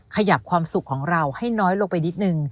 ขยับความสุขของเราให้น้อยลงไปนิดนึง